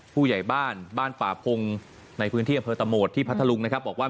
พูดถึงพรรทรรงนะครับ